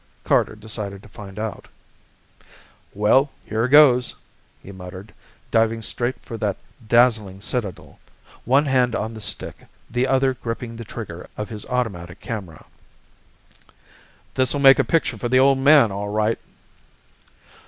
Carter decided to find out. "Well, here goes!" he muttered, diving straight for that dazzling citadel, one hand on the stick, the other gripping the trigger of his automatic camera. "This'll make a picture for the Old Man, all right!"